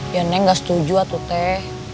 ya neng tidak setuju tuh